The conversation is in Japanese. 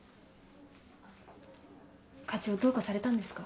課長どうかされたんですか？